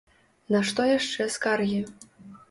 На што яшчэ скаргі?